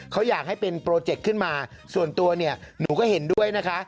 เขาอยากให้เป็นโปรเจคขึ้นมาส่วนตัวเนี่ยหนูก็เห็นด้วยนะคะ